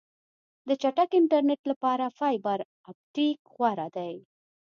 د چټک انټرنیټ لپاره فایبر آپټیک غوره دی.